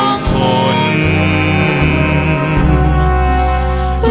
รักทั้งรกติกรในโนพโดน